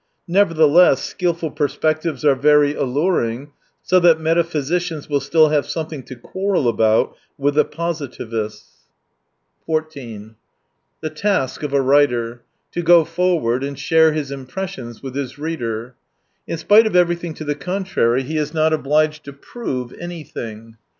Never theless, skilful perspectives are very alluring, so that metaphysicians will still have some thing to quarrel about with the positivists. «s H The task of a writer : to go forward and share his impressions with his reader. In spite of everything to the contrary, he is not obUged to prove anything.